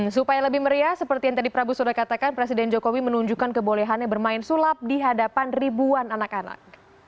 supaya lebih meriah seperti yang tadi prabu sudah katakan presiden jokowi menunjukkan kebolehannya bermain sulap di hadapan ribuan anak anak